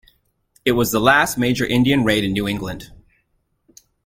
It was the last major Indian raid in New England.